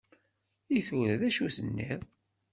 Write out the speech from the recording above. I tura, d acu tenniḍ?